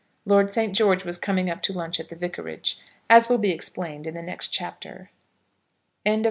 Lord St. George was coming up to lunch at the vicarage, as will be explained in the next chapter. CHAPTER LX.